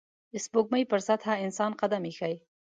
د سپوږمۍ پر سطحه انسان قدم ایښی